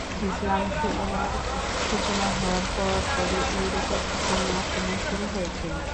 ইসলামের সূচনা হওয়ার পরপরই ইউরোপে মুসলিম আক্রমণ শুরু হয়েছিল।